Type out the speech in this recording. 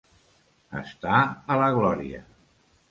Estar a la glòria.